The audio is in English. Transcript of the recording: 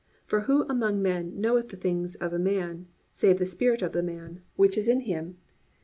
For who among men knoweth the things of a man, save the Spirit of the man, which is in him?